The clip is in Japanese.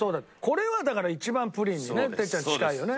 これはだから一番プリンにね哲ちゃん近いよね。